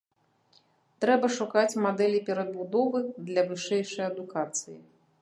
Трэба шукаць мадэлі перабудовы для вышэйшай адукацыі.